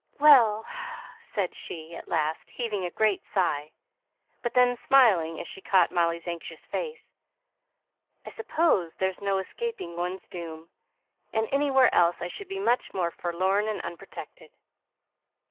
"Well!" said she, at last, heaving a great sigh; but, then, smiling as she caught Molly's anxious face, "I suppose there's no escaping one's doom; and anywhere else I should be much more forlorn and unprotected."